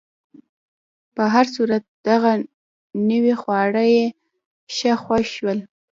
په هر صورت، دغه نوي خواړه یې ښه خوښ شول.